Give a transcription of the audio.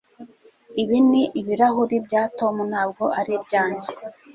ibi ni ibirahuri bya tom, ntabwo ari ibyanjye